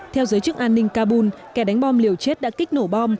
theo giới chức an ninh kabul kẻ đánh bom liều chết đã kích nổ bom